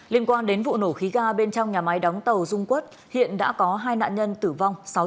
liên quan đến vụ nổ khí ga bên trong nhà máy đóng tàu dung quất hiện đã có hai nạn nhân tử vong